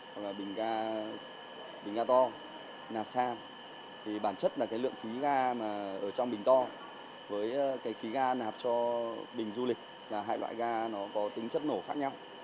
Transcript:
hoặc là bình ga bình ga to nạp sang thì bản chất là cái lượng khí ga mà ở trong bình to với cái khí ga nạp cho bình du lịch là hai loại ga nó có tính chất nổ khác nhau